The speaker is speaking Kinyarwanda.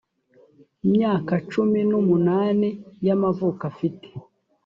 myaka cumi n umunani y amavuko afite